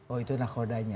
oh itu nakodanya